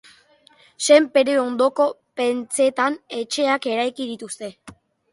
Senpere ondoko pentzeetan etxeak eraiki dituzte.